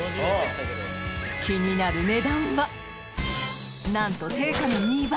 気になる値段はなんと定価の２倍！